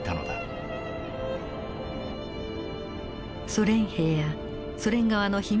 ソ連兵やソ連側の秘密